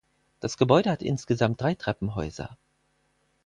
Das Gebäude hat insgesamt drei Treppenhäuser.